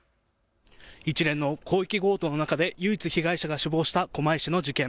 一連の広域強盗の中で唯一被害者が死亡した狛江市の事件。